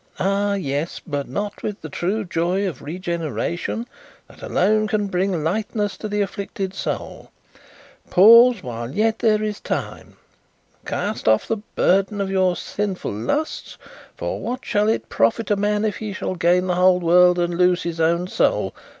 Ah yes; but not with the true joy of regeneration that alone can bring lightness to the afflicted soul. Pause while there is yet time. Cast off the burden of your sinful lusts, for what shall it profit a man if he shall gain the whole world and lose his own soul?